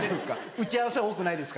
打ち合わせ多くないですか？